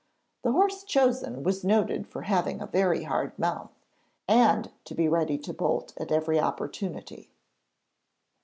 The horse chosen was noted for having a very hard mouth, and to be ready to bolt at every opportunity.